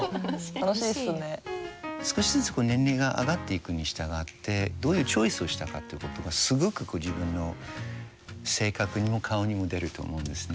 少しずつ年齢が上がっていくに従ってどういうチョイスをしたかということがすごく自分の性格にも顔にも出ると思うんですね。